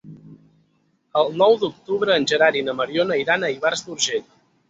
El nou d'octubre en Gerard i na Mariona iran a Ivars d'Urgell.